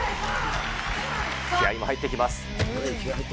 気合いも入ってきます。